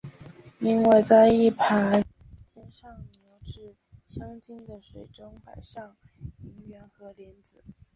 另外在一盘添上牛至香精的水中摆上银元和莲子。